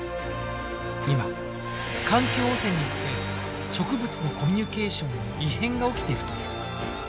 今環境汚染によって植物のコミュニケーションに異変が起きてるという。